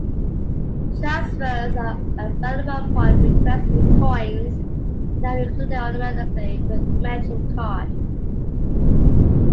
Transfers are available upon request with coins, and are included automatically with MetroCard.